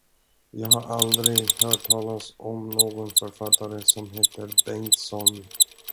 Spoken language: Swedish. Jag har aldrig hört talas om någon författare, som heter Bengtsson.